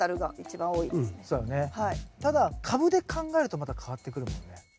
ただ株で考えるとまた変わってくるもんね。